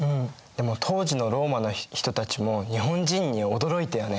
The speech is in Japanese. でも当時のローマの人たちも日本人に驚いたよね。